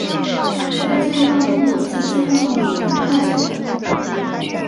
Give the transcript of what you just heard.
在自愈方面比起金钢狼更快速。